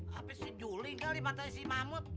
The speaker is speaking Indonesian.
habis si juli kali matanya si mahmud